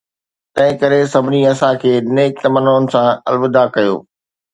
تنهن ڪري سڀني اسان کي نيڪ تمنائن سان الوداع ڪيو.